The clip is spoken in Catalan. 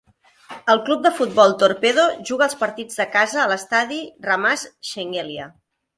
El club de futbol Torpedo juga els partits de casa a l'estadi Ramaz Shengelia.